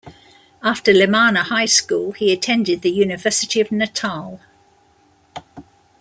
After Lemana high school, he attended the University of Natal.